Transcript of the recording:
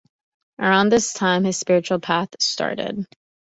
Around this time, his spiritual path started.